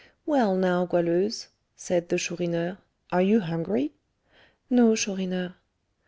"Well, now, Goualeuse," said the Chourineur, "are you hungry?" "No, Chourineur."